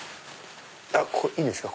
ここいいですか？